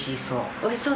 おいしそう。